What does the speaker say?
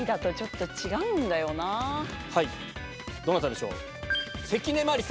はいどなたでしょう？